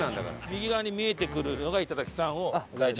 「右側に見えてくるのが頂さん」を大ちゃんが。